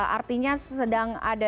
artinya sedang ada